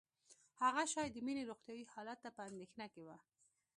هغه شاید د مينې روغتیايي حالت ته په اندېښنه کې وه